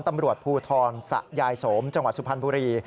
ตำรวจภูทรสะยายสมจสุพรรณบุรี